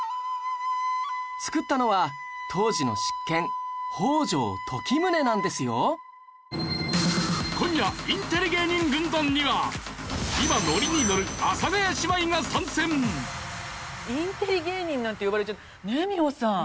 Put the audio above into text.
造ったのは当時の執権北条時宗なんですよ今夜インテリ芸人軍団には今ノリにのる阿佐ヶ谷姉妹が参戦！ねえ美穂さん？